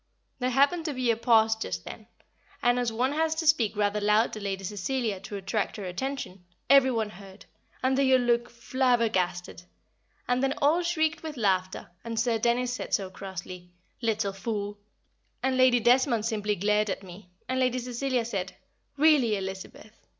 There happened to be a pause just then and, as one has to speak rather loud to Lady Cecilia to attract her attention, every one heard, and they all looked flabergasted; and then all shrieked with laughter, and Sir Dennis said so crossly, "Little fool!" and Lady Desmond simply glared at me, and Lady Cecilia said, "Really, Elizabeth!"